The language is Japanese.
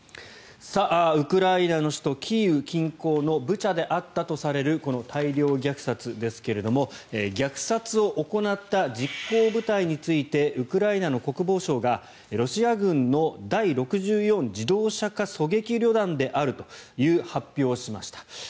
ウクライナの首都キーウ近郊のブチャであったとされるこの大量虐殺ですけれども虐殺を行った実行部隊についてウクライナの国防省がロシア軍の第６４自動車化狙撃旅団であるという発表をしました。